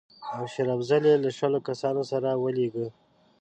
او شېر افضل یې له شلو کسانو سره ولېږه.